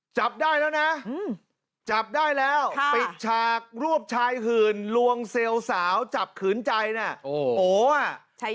จับได้แล้วนะจับได้แล้วปิดฉากรวบชายหื่นลวงเซลล์สาวจับขืนใจน่ะโอ้โหอ่ะ